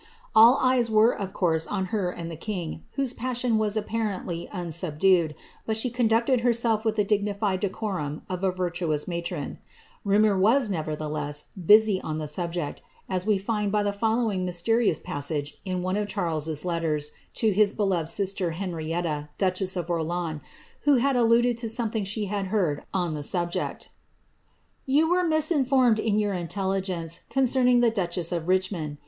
All eyes were of course on her and the king, passion was apparently unsubdued, but she conducted herself n digaitied decorum of a virtuous matron. Rumour was, never busy on the subject, as we find by the following mysterious pai one of Charleses letters to his beloved sister, Henrietta, due) Orleans, who had alluded to something she had heard on tl ject :—^^ You were misinformed in your intelligence concerning the ( of Richmond.